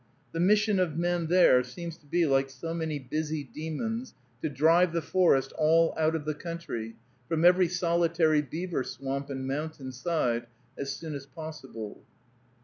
The mission of men there seems to be, like so many busy demons, to drive the forest all out of the country, from every solitary beaver swamp and mountain side, as soon as possible.